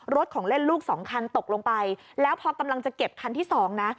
ของเล่นลูกสองคันตกลงไปแล้วพอกำลังจะเก็บคันที่สองนะ